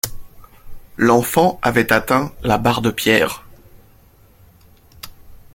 L'enfant avait atteint la barre de pierre.